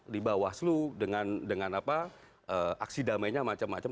di bawah selu dengan aksi damainya macam macam